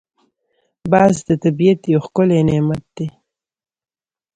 باز د طبیعت یو ښکلی نعمت دی